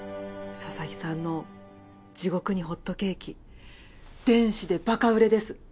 ささきさんの『地獄にホットケーキ』電子でバカ売れです。